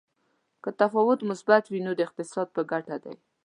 که تفاوت مثبت وي نو د اقتصاد په ګټه دی.